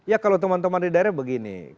ya kalau teman teman di daerah begini